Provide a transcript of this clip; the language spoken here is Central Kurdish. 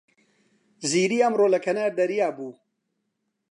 زیری ئەمڕۆ لە کەنار دەریا بوو.